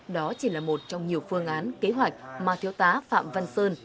đó chỉ là một trong nhiều phương án kế hoạch mà thiếu tá phạm văn sơn